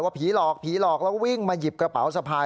ผีหลอกผีหลอกแล้ววิ่งมาหยิบกระเป๋าสะพาย